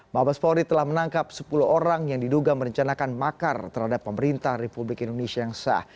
mabes polri telah menangkap sepuluh orang yang diduga merencanakan makar terhadap pemerintah republik indonesia yang sah